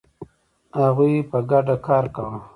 هغوی په ګډه کار کاوه.